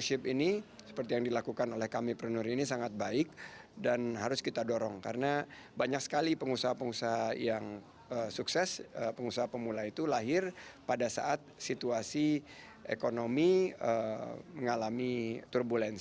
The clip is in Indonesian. selain menjaga kondisi penerimaan masyarakat